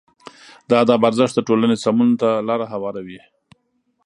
د ادب ارزښت د ټولنې سمون ته لاره هواروي.